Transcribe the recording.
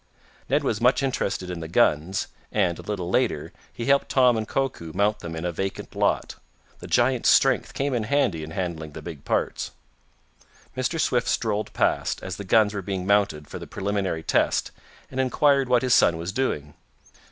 Ned was much interested in the guns, and, a little later, he helped Tom and Koku mount them in a vacant lot. The giant's strength came in handy in handling the big parts. Mr. Swift strolled past, as the guns were being mounted for the preliminary test, and inquired what his son was doing.